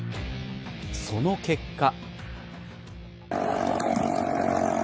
その結果。